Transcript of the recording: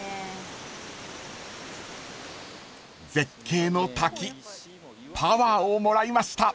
［絶景の滝パワーをもらいました］